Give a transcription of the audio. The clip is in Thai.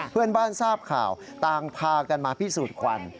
เพื่อนบ้านทราบข่าวต่างพากันมาพิสูจน์ควัน